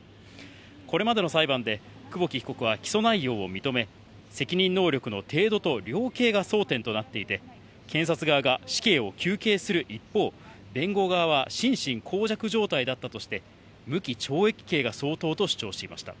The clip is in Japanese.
これまでの裁判で、久保木被告は起訴内容を認め、責任能力の程度と量刑が争点となっていて、検察側が死刑を求刑する一方、弁護側は、心神耗弱状態だったとして、無期懲役刑が相当と主張していました。